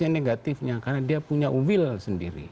yang negatifnya karena dia punya will sendiri